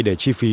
để chi phí